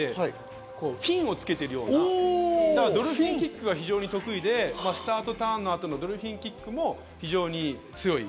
フィンをつけてるような、ドルフィンキックが非常に得意で、スタートターンの後、ドルフィンキックも非常に強い。